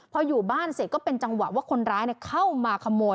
พออยู่บ้านเสร็จก็เป็นจังหวะว่าคนร้ายเข้ามาขโมย